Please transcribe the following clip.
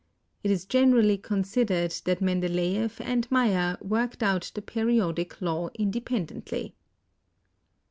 It is generally considered that Mendeleeff" and Meyer worked out the Periodic Law independently.